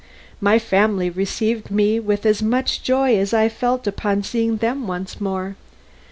My family received me with as much joy as I felt upon seeing them once more.